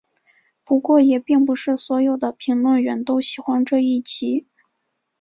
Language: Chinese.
不过也并不是所有的评论员都喜欢这一集。